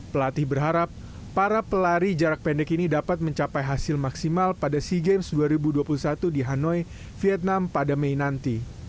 pelatih berharap para pelari jarak pendek ini dapat mencapai hasil maksimal pada sea games dua ribu dua puluh satu di hanoi vietnam pada mei nanti